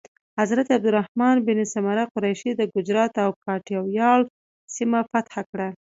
حضرت عبدالرحمن بن سمره قریشي د ګجرات او کاټیاواړ سیمه فتح کړه.